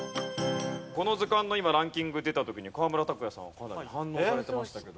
この図鑑の今ランキングが出た時に河村拓哉さんはかなり反応されてましたけど。